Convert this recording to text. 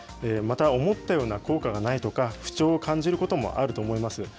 また思ったような効果がないとか、不調を感じることもあると思います。